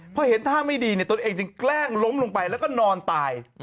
พอเห็นท่าไม่ดีตนเองจึงแกล้งล้มลงไปแล้วก็นอนตาย